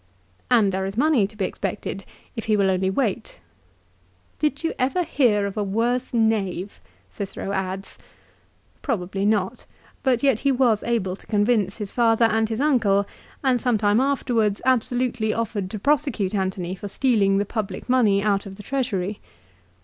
And there is money to be expected if he will only wait. "Did you ever hear of a worse knave?" Cicero adds. Probably not ; but yet he was able to convince his father and his uncle, and some time afterwards absolutely offered to prosecute Antony for stealing the public money out of the Treasury.